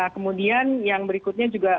kemudian yang berikutnya juga